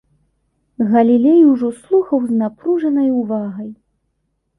Галілей ужо слухаў з напружанай увагай.